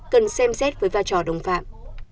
cần xem xét với vai trò đồng phạm